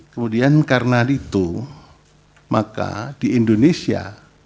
kemudian karena itu maka di indonesia